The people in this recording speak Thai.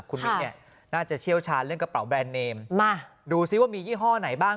คุณมิ้นเนี่ยน่าจะเชี่ยวชาญเรื่องกระเป๋าแบรนด์เนมมาดูซิว่ามียี่ห้อไหนบ้าง